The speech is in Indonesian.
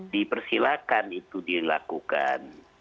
dipersilakan itu dilakukan